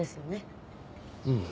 うん。